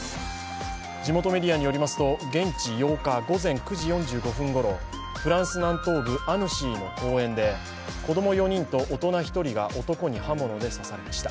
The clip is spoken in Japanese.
地元メディアによりますと現地８日午前９時４５分ごろフランス南東部アヌシーの公園で子供４人と大人１人が男に刃物で刺されました。